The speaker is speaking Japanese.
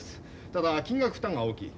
ただ金額負担が大きい。